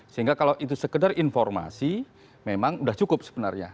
sehingga kalau itu sekedar informasi memang sudah cukup sebenarnya